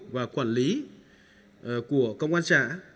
và quản lý của công an xã